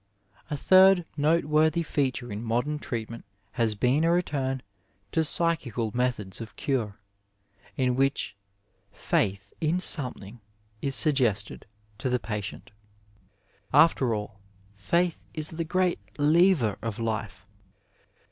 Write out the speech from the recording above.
A third noteworthy feature in modem treatment has been a return to psychical methods of cure, in which faith in something is suggested to the patient. After all, faith is the great lever of life.